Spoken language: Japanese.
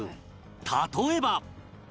例えば